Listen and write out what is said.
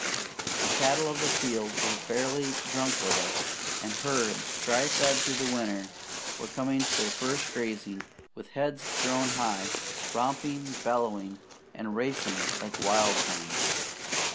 The cattle of the field were fairly drunk with it, and herds, dry fed during the winter, were coming to their first grazing with heads thrown high, romping, bellowing, and racing like wild things.